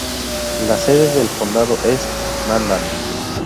La sede del condado es Mandan.